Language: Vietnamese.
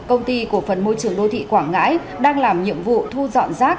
công ty cổ phần môi trường đô thị quảng ngãi đang làm nhiệm vụ thu dọn rác